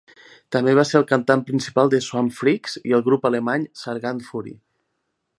També va ser el cantant principal de Swampfreaks i el grup alemany Sargant Fury.